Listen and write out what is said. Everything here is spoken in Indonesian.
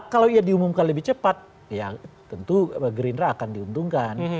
kalau ya diumumkan lebih cepat ya tentu gerindra akan diuntungkan